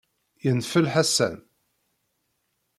Yenfel Ḥasan.